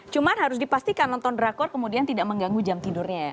cuma harus dipastikan nonton drakor kemudian tidak mengganggu jam tidurnya ya